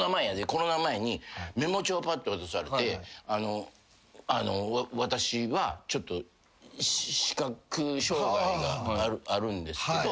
コロナ前にメモ帳ぱって渡されて「私はちょっと視覚障害があるんですけど」